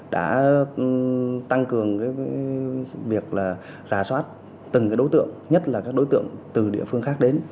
đã tăng cường việc rà soát từng đối tượng nhất là các đối tượng từ địa phương khác đến